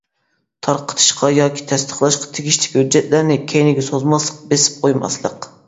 تارقىتىشقا ياكى تەستىقلاشقا تېگىشلىك ھۆججەتلەرنى كەينىگە سوزماسلىق، بېسىپ قويماسلىق.